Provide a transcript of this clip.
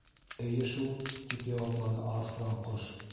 —Эйе шул, —тип яуапланы Арыҫланҡош.